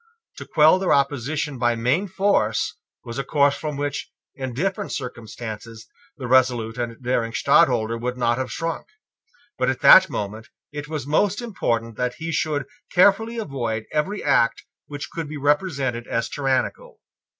To quell their opposition by main force was a course from which, in different circumstances, the resolute and daring Stadtholder would not have shrunk. But at that moment it was most important that he should carefully avoid every act which could be represented as tyrannical.